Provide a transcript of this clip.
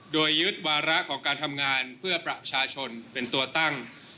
โดยยึดวาระของการทำงานเพื่อประชาชนเป็นตัวตั้ง